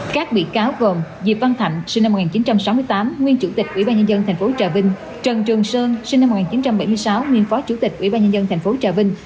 các bị cáo gồm diệp văn thạnh sinh năm một nghìn chín trăm sáu mươi tám nguyên chủ tịch ủy ban nhân dân tp trà vinh trần trường sơn sinh năm một nghìn chín trăm bảy mươi sáu nguyên phó chủ tịch ủy ban nhân dân tp trà vinh